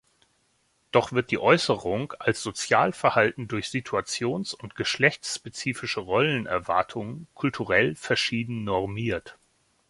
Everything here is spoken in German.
Doch wird die Äußerung als Sozialverhalten durch situations- und geschlechtsspezifische Rollenerwartungen kulturell verschieden normiert.